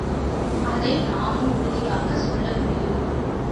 அதை நானும் உறுதியாகச் சொல்லமுடியும்.